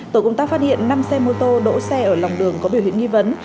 tổ công tác phát hiện năm xe mô tô đỗ xe ở lòng đường có biểu hiện nghi vấn